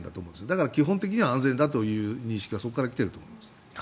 だから基本的には安全だという認識はそこから来てると思います。